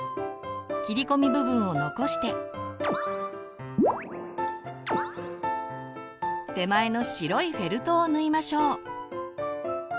切り込み部分を残して手前の白いフェルトを縫いましょう。